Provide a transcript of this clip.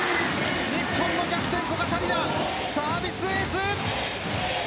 日本のキャプテン・古賀紗理那サービスエース！